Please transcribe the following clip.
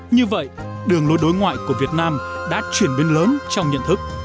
như vậy đường lối đối ngoại của việt nam đã chuyển biến lớn trong nhận thức